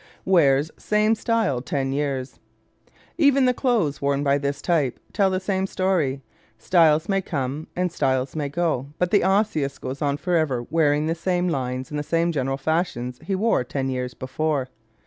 Wears Same Style Ten Years ¶ Even the clothes worn by this type tell the same story. Styles may come and styles may go, but the Osseous goes on forever wearing the same lines and the same general fashions he wore ten years before.